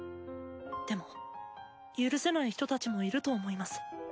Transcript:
でも許せない人たちもいると思います。